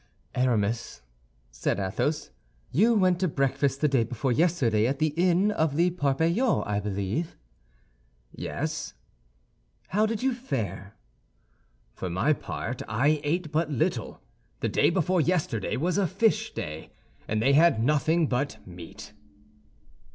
"Aramis," said Athos, "you went to breakfast the day before yesterday at the inn of the Parpaillot, I believe?" "Yes." "How did you fare?" "For my part, I ate but little. The day before yesterday was a fish day, and they had nothing but meat."